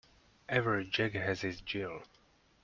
Every Jack has his Jill.